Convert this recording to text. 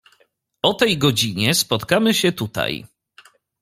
"O tej godzinie spotkamy się tutaj."